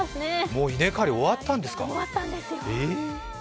もう稲刈り終わったんですか、え。